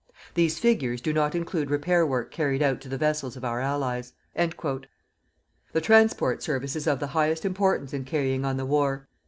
These figures do not include repair work carried out to the vessels of our Allies.... The Transport Service is of the highest importance in carrying on the war.